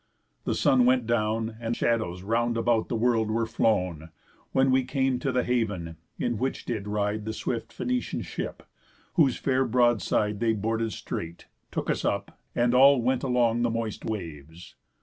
The sun went down, And shadows round about the world were flown, When we came to the haven, in which did ride The swift Phœnician ship; whose fair broad side They boarded straight, took us up; and all went Along the moist waves.